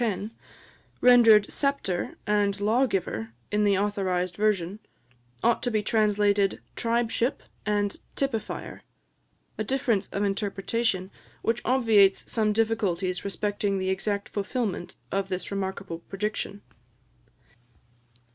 10), rendered "sceptre" and "lawgiver" in the authorised version, ought to be translated "tribeship" and "typifier," a difference of interpretation which obviates some difficulties respecting the exact fulfilment of this remarkable prediction.